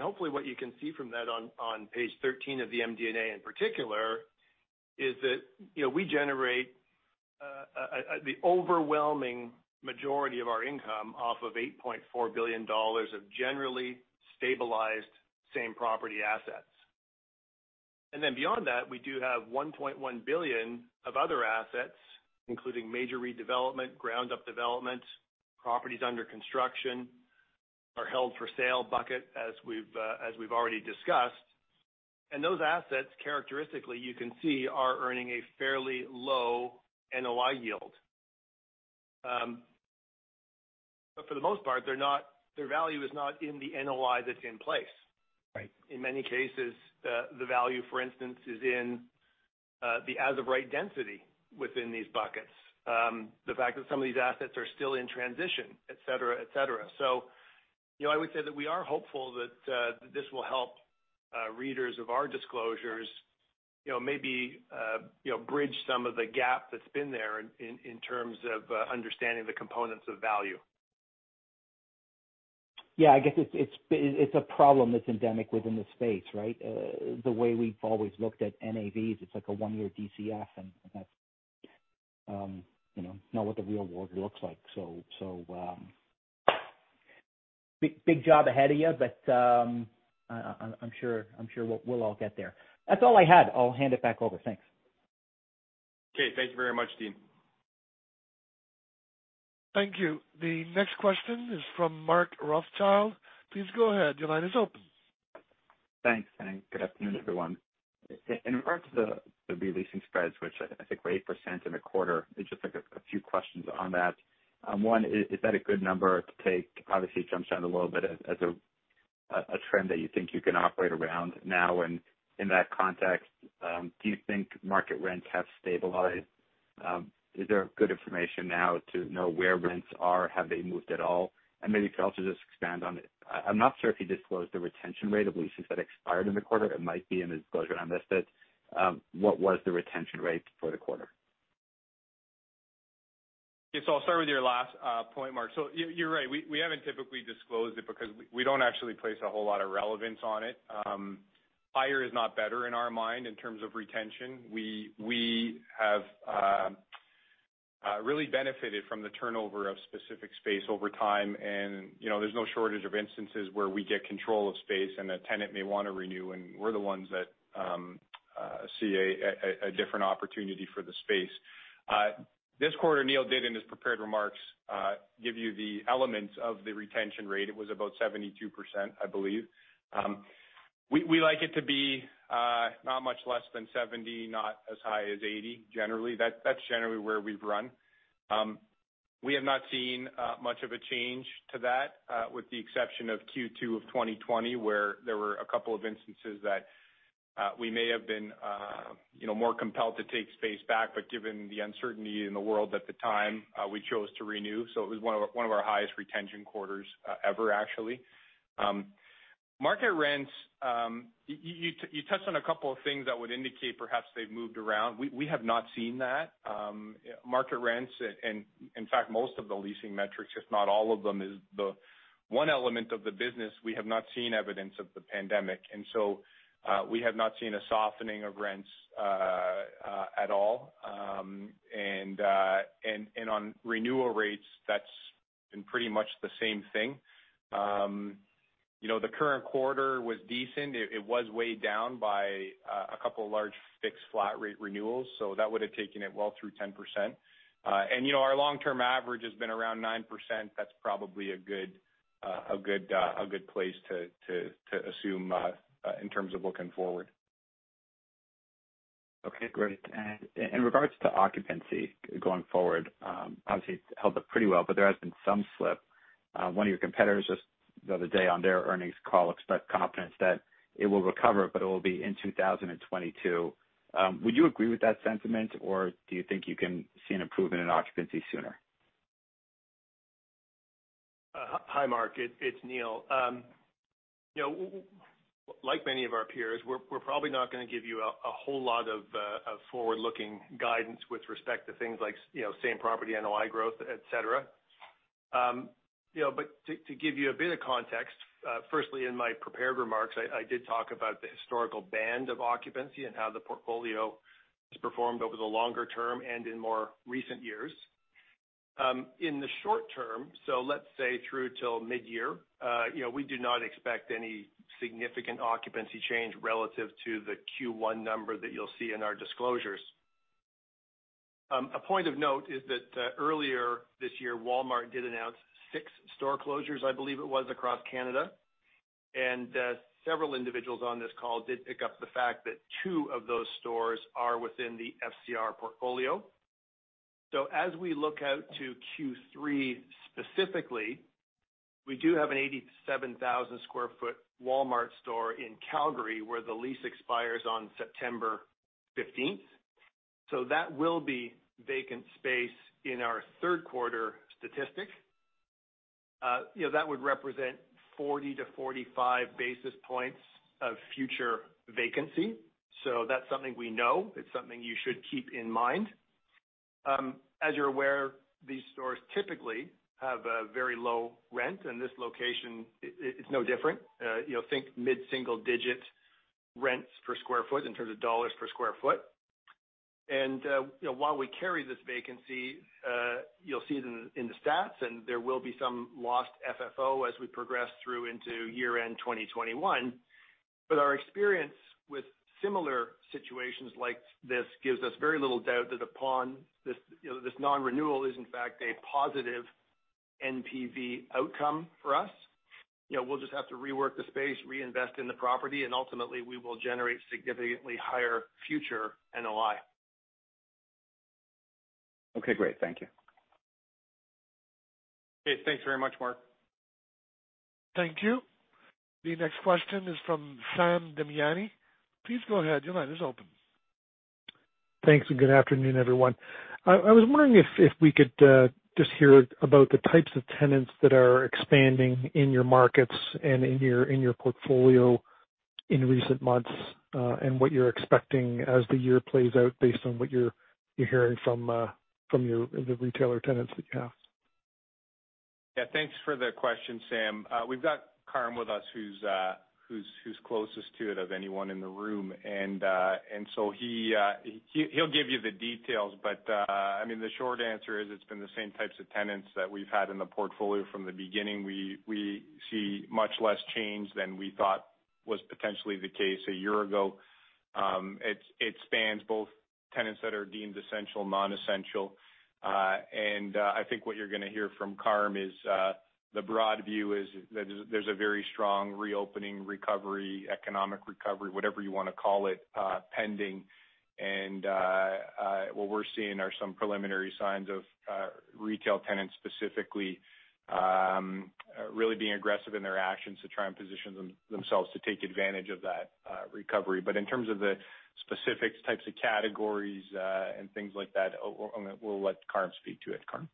Hopefully what you can see from that on page 13 of the MD&A in particular is that we generate the overwhelming majority of our income off of 8.4 billion dollars of generally stabilized same-property assets. Beyond that, we do have 1.1 billion of other assets, including major redevelopment, ground-up development, properties under construction, our held for sale bucket, as we've already discussed. Those assets, characteristically, you can see, are earning a fairly low NOI yield. For the most part, their value is not in the NOI that's in place. Right. In many cases, the value, for instance, is in the as of right density within these buckets. The fact that some of these assets are still in transition, et cetera. I would say that we are hopeful that this will help readers of our disclosures maybe bridge some of the gap that's been there in terms of understanding the components of value. Yeah, I guess it's a problem that's endemic within the space, right? The way we've always looked at NAVs, it's like a one-year DCF, and that's not what the real world looks like. Big job ahead of you, but I'm sure we'll all get there. That's all I had. I'll hand it back over. Thanks. Okay. Thank you very much, Dean. Thank you. The next question is from Mark Rothschild. Please go ahead. Your line is open. Thanks. Good afternoon, everyone. In regard to the re-leasing spreads, which I think were 8% in the quarter, I just have a few questions on that. One, is that a good number to take? Obviously, it jumps down a little bit as a trend that you think you can operate around now. In that context, do you think market rents have stabilized? Is there good information now to know where rents are? Have they moved at all? Maybe if you could also just expand on it. I'm not sure if you disclosed the retention rate of leases that expired in the quarter. It might be in the disclosure I missed it. What was the retention rate for the quarter? Okay. I'll start with your last point, Mark. You're right. We haven't typically disclosed it because we don't actually place a whole lot of relevance on it. Higher is not better in our mind in terms of retention. We have really benefited from the turnover of specific space over time, and there's no shortage of instances where we get control of space and a tenant may want to renew, and we're the ones that see a different opportunity for the space. This quarter, Neil did, in his prepared remarks, give you the elements of the retention rate. It was about 72%, I believe. We like it to be not much less than 70%, not as high as 80%. That's generally where we've run. We have not seen much of a change to that, with the exception of Q2 of 2020, where there were a couple of instances that we may have been more compelled to take space back. Given the uncertainty in the world at the time, we chose to renew. It was one of our highest retention quarters ever, actually. Market rents, you touched on a couple of things that would indicate perhaps they've moved around. We have not seen that. Market rents and, in fact, most of the leasing metrics, if not all of them, is the one element of the business we have not seen evidence of the pandemic. We have not seen a softening of rents at all. On renewal rates, that's been pretty much the same thing. The current quarter was decent. It was weighed down by a couple of large fixed flat rate renewals, that would have taken it well through 10%. And you know our long-term average has been around 9%. That's probably a good place to assume in terms of looking forward. Okay, great. In regards to occupancy going forward, obviously it's held up pretty well, but there has been some slip. One of your competitors just the other day on their earnings call expressed confidence that it will recover, but it will be in 2022. Would you agree with that sentiment, or do you think you can see an improvement in occupancy sooner? Hi, Mark, it's Neil. Like many of our peers, we're probably not going to give you a whole lot of forward-looking guidance with respect to things like same-property NOI growth, et cetera. To give you a bit of context, firstly, in my prepared remarks, I did talk about the historical band of occupancy and how the portfolio has performed over the longer term and in more recent years. In the short term, so let's say through till mid-year, we do not expect any significant occupancy change relative to the Q1 number that you'll see in our disclosures. A point of note is that earlier this year, Walmart did announce six store closures, I believe it was, across Canada, and several individuals on this call did pick up the fact that two of those stores are within the FCR portfolio. As we look out to Q3 specifically, we do have an 87,000 sq ft Walmart store in Calgary where the lease expires on September 15th. That will be vacant space in our third quarter statistic. That would represent 40-45 basis points of future vacancy. That's something we know. It's something you should keep in mind. As you're aware, these stores typically have a very low rent, and this location is no different. Think mid-single digit rents per square foot in terms of dollars per square foot. While we carry this vacancy, you'll see it in the stats, and there will be some lost FFO as we progress through into year end 2021. Our experience with similar situations like this gives us very little doubt that upon this non-renewal is in fact a positive NPV outcome for us. We'll just have to rework the space, reinvest in the property, and ultimately we will generate significantly higher future NOI. Okay, great. Thank you. Okay. Thanks very much, Mark. Thank you. The next question is from Sam Damiani. Please go ahead. Your line is open. Thanks, good afternoon, everyone. I was wondering if we could just hear about the types of tenants that are expanding in your markets and in your portfolio in recent months, and what you're expecting as the year plays out based on what you're hearing from the retailer tenants that you have. Yeah, thanks for the question, Sam. We've got Carm with us who's closest to it of anyone in the room, and so he'll give you the details. The short answer is it's been the same types of tenants that we've had in the portfolio from the beginning. We see much less change than we thought was potentially the case a year ago. It spans both tenants that are deemed essential, non-essential. I think what you're going to hear from Carm is the broad view is that there's a very strong reopening recovery, economic recovery, whatever you want to call it, pending. What we're seeing are some preliminary signs of retail tenants specifically really being aggressive in their actions to try and position themselves to take advantage of that recovery. In terms of the specific types of categories and things like that, we'll let Carm speak to it. Carm?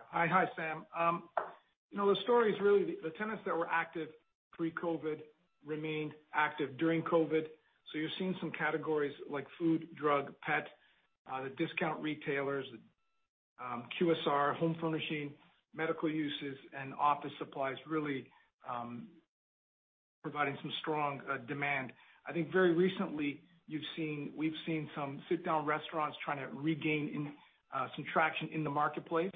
Hi, Sam. The story is really the tenants that were active pre-COVID remained active during COVID. You're seeing some categories like food, drug, pet, the discount retailers, QSR, home furnishing, medical uses, and office supplies really providing some strong demand. I think very recently, we've seen some sit down restaurants trying to regain some traction in the marketplace.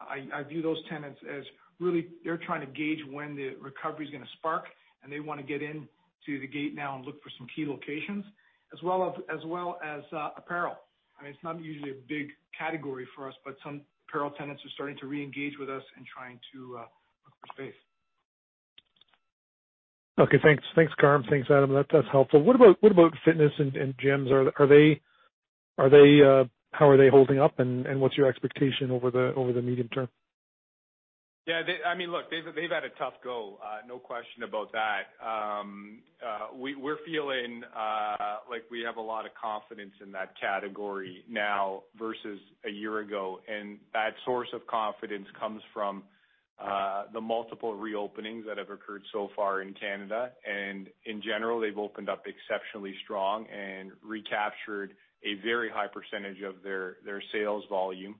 I view those tenants as really they're trying to gauge when the recovery is going to spark, and they want to get into the gate now and look for some key locations as well as apparel. It's not usually a big category for us, but some apparel tenants are starting to reengage with us in trying to look for space. Okay. Thanks, Carm. Thanks, Adam. That's helpful. What about fitness and gyms? How are they holding up, and what's your expectation over the medium term? Look, they've had a tough go, no question about that. We're feeling like we have a lot of confidence in that category now versus a year ago. That source of confidence comes from the multiple reopenings that have occurred so far in Canada. In general, they've opened up exceptionally strong and recaptured a very high percentage of their sales volume.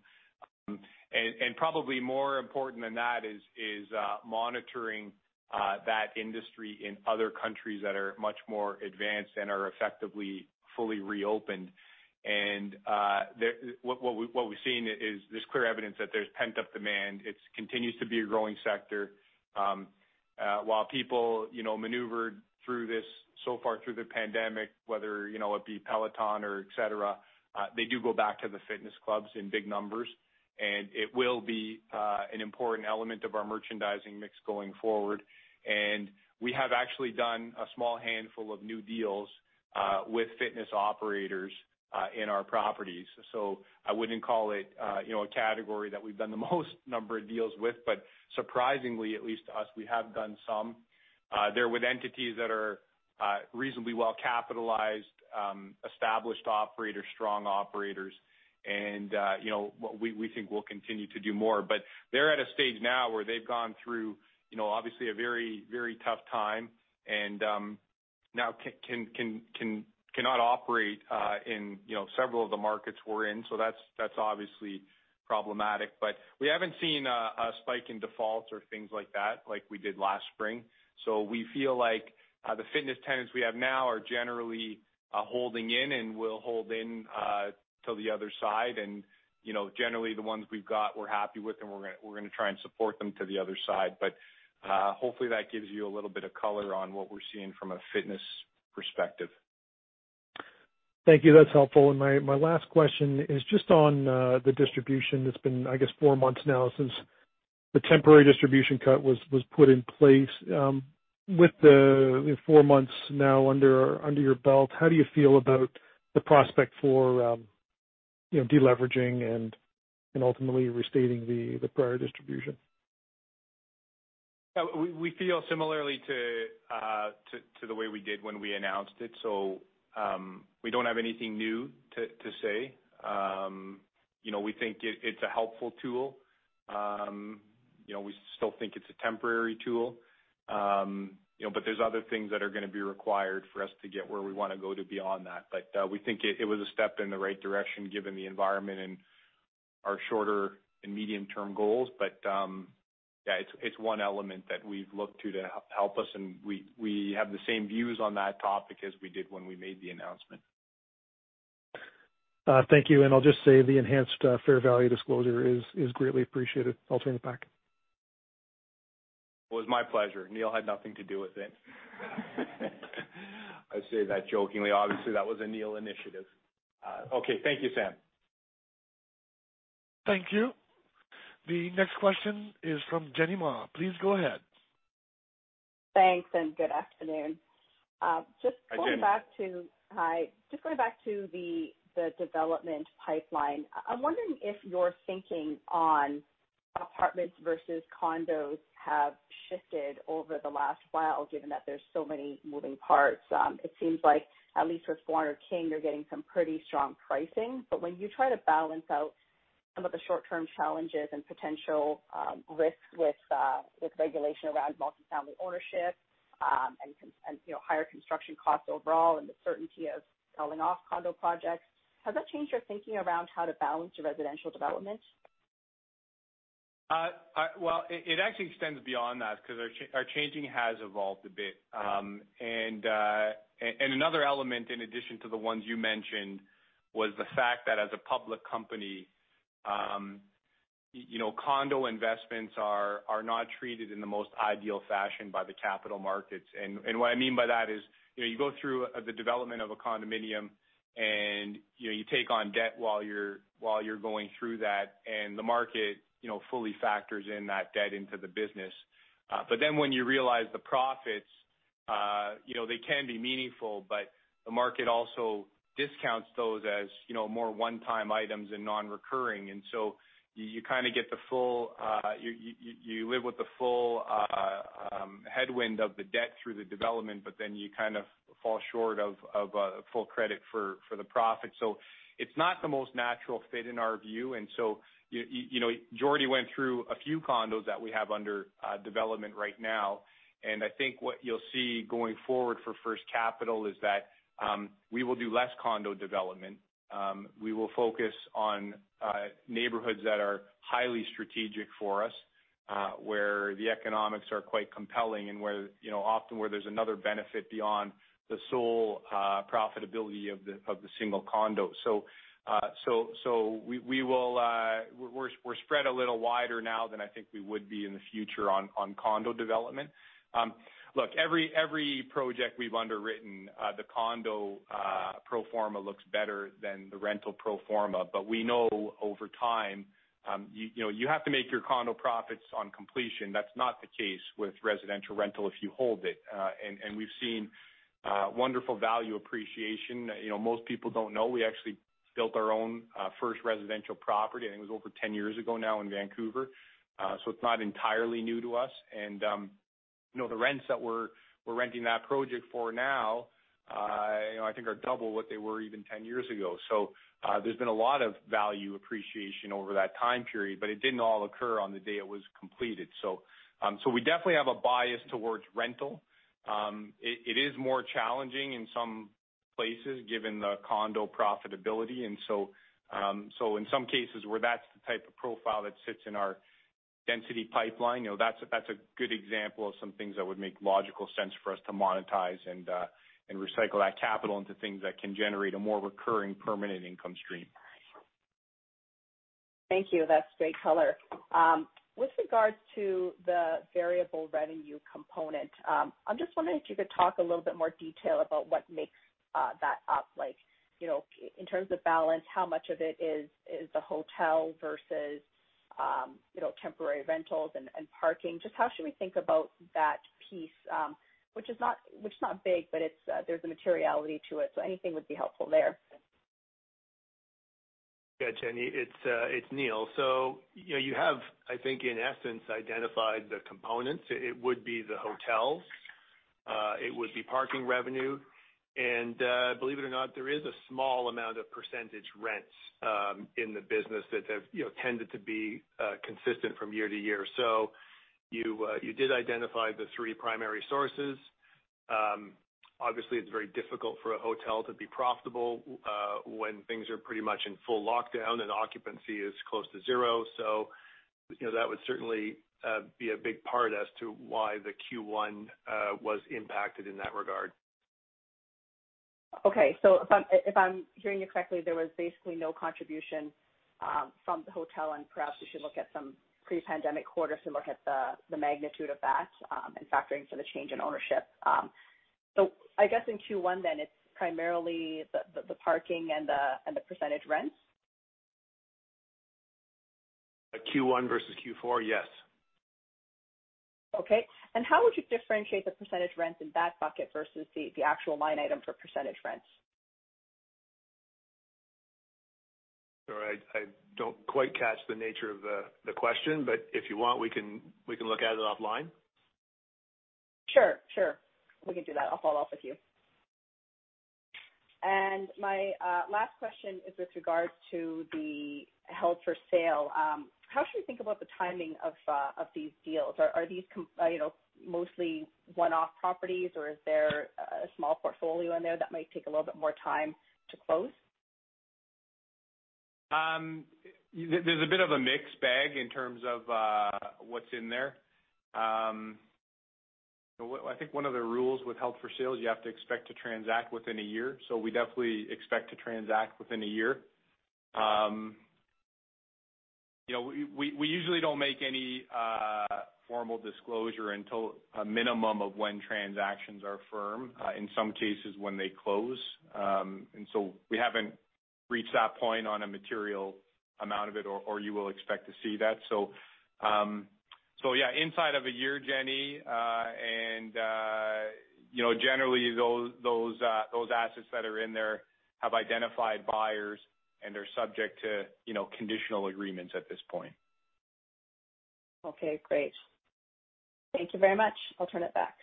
Probably more important than that is monitoring that industry in other countries that are much more advanced and are effectively fully reopened. And what we've seen is there's clear evidence that there's pent up demand. It continues to be a growing sector. While people maneuvered through this so far through the pandemic, whether it be Peloton or et cetera, they do go back to the fitness clubs in big numbers, and it will be an important element of our merchandising mix going forward. We have actually done a small handful of new deals with fitness operators in our properties. I wouldn't call it a category that we've done the most number of deals with. Surprisingly, at least to us, we have done some. They're with entities that are reasonably well-capitalized, established operators, strong operators, and we think we'll continue to do more. They're at a stage now where they've gone through obviously a very tough time and now cannot operate in several of the markets we're in. That's obviously problematic, but we haven't seen a spike in defaults or things like that, like we did last spring. We feel like the fitness tenants we have now are generally holding in and will hold in till the other side. Generally the ones we've got, we're happy with, and we're going to try and support them to the other side. Hopefully that gives you a little bit of color on what we're seeing from a fitness perspective. Thank you. That's helpful. My last question is just on the distribution. It's been, I guess, four months now since the temporary distribution cut was put in place. With the four months now under your belt, how do you feel about the prospect for de-leveraging and ultimately restating the prior distribution? We feel similarly to the way we did when we announced it. We don't have anything new to say. We think it's a helpful tool. We still think it's a temporary tool. There's other things that are going to be required for us to get where we want to go to beyond that. We think it was a step in the right direction given the environment and our shorter and medium-term goals. But yeah, it's one element that we've looked to to help us, and we have the same views on that topic as we did when we made the announcement. Thank you. I'll just say the enhanced fair value disclosure is greatly appreciated. I'll turn it back. It was my pleasure. Neil had nothing to do with it. I say that jokingly. Obviously, that was a Neil initiative. Okay. Thank you, Sam. Thank you. The next question is from Jenny Ma. Please go ahead. Thanks. Good afternoon. Hi, Jenny. Hi. Just going back to the development pipeline, I'm wondering if your thinking on apartments versus condos have shifted over the last while, given that there's so many moving parts. It seems like at least for 400 King Street West, you're getting some pretty strong pricing. When you try to balance out some of the short-term challenges and potential risks with regulation around multi-family ownership, and higher construction costs overall and the certainty of selling off condo projects, has that changed your thinking around how to balance your residential development? Well, it actually extends beyond that because our changing has evolved a bit. Another element in addition to the ones you mentioned was the fact that as a public company, condo investments are not treated in the most ideal fashion by the capital markets. What I mean by that is you go through the development of a condominium, and you take on debt while you're going through that, and the market fully factors in that debt into the business. When you realize the profits, they can be meaningful, but the market also discounts those as more one-time items and non-recurring. You live with the full headwind of the debt through the development, but then you kind of fall short of a full credit for the profit. It's not the most natural fit in our view. Jordie went through a few condos that we have under development right now. I think what you'll see going forward for First Capital is that we will do less condo development. We will focus on neighborhoods that are highly strategic for us, where the economics are quite compelling and often where there's another benefit beyond the sole profitability of the single condo. We're spread a little wider now than I think we would be in the future on condo development. Look, every project we've underwritten, the condo pro forma looks better than the rental pro forma. We know over time you have to make your condo profits on completion. That's not the case with residential rental if you hold it. We've seen wonderful value appreciation. You know most people don't know we actually built our own first residential property. It was over 10 years ago now in Vancouver. It's not entirely new to us. The rents that we're renting that project for now I think are double what they were even 10 years ago. There's been a lot of value appreciation over that time period. But it didn't all occur on the day it was completed. We definitely have a bias towards rental. It is more challenging in some places given the condo profitability. In some cases where that's the type of profile that sits in our density pipeline, that's a good example of some things that would make logical sense for us to monetize and recycle that capital into things that can generate a more recurring permanent income stream. Thank you. That's great color. With regards to the variable revenue component, I'm just wondering if you could talk a little bit more detail about what makes that up. In terms of balance, how much of it is the hotel versus temporary rentals and parking? Just how should we think about that piece? Which is not big, but there's a materiality to it, so anything would be helpful there. Yeah, Jenny, it's Neil. You have, I think in essence, identified the components. It would be the hotels, it would be parking revenue, and believe it or not, there is a small amount of percentage rents in the business that have tended to be consistent from year to year. You did identify the three primary sources. Obviously, it's very difficult for a hotel to be profitable when things are pretty much in full lockdown and occupancy is close to zero. That would certainly be a big part as to why the Q1 was impacted in that regard. If I'm hearing you correctly, there was basically no contribution from the hotel, and perhaps we should look at some pre-pandemic quarter to look at the magnitude of that and factoring for the change in ownership. I guess in Q1 then, it's primarily the parking and the percentage rents? Q1 versus Q4, yes. Okay, how would you differentiate the percentage rents in that bucket versus the actual line item for percentage rents? Sorry, I don't quite catch the nature of the question, but if you want, we can look at it offline. Sure. We can do that. I'll follow up with you. My last question is with regards to the held for sale. How should we think about the timing of these deals? Are these mostly one-off properties, or is there a small portfolio in there that might take a little bit more time to close? There's a bit of a mixed bag in terms of what's in there. I think one of the rules with held for sales, you have to expect to transact within a year. We definitely expect to transact within a year. We usually don't make any formal disclosure until a minimum of when transactions are firm, in some cases when they close. We haven't reached that point on a material amount of it, or you will expect to see that. Yeah, inside of a year, Jenny, and generally those assets that are in there have identified buyers and are subject to conditional agreements at this point. Okay, great. Thank you very much. I will turn it back.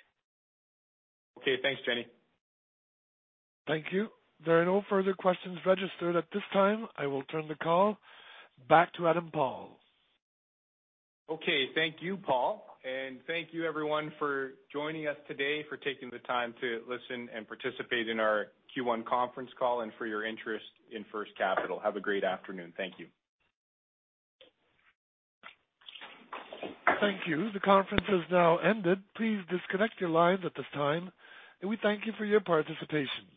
Okay. Thanks, Jenny. Thank you. There are no further questions registered at this time. I will turn the call back to Adam Paul. Okay. Thank you, Paul. Thank you everyone for joining us today, for taking the time to listen and participate in our Q1 conference call and for your interest in First Capital. Have a great afternoon. Thank you. Thank you. The conference has now ended. Please disconnect your lines at this time, and we thank you for your participation.